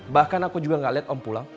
bahkan aku juga gak lihat om pulang